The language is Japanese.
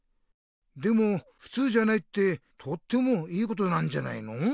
でもふつうじゃないってとってもいいことなんじゃないの。